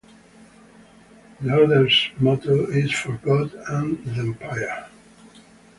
The Order's motto is "For God and the Empire".